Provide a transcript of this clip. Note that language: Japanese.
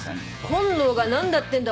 本能がなんだってんだ。